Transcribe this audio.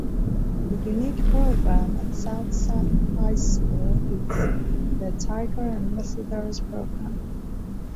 A unique program at Southside High School is the Tiger Ambassadors Program.